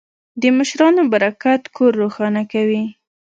د مشرانو برکت کور روښانه کوي.